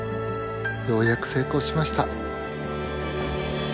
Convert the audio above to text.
ようやく成功しました。